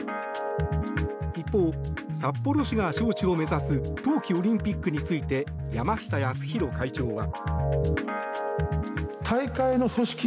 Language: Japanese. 一方、札幌市が招致を目指す冬季オリンピックについて山下泰裕会長は。